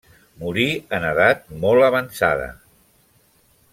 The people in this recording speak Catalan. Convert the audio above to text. Morí en edat molt avançada.